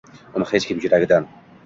Uni hech kim yuragidan